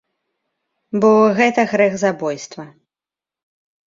Бо гэта грэх забойства.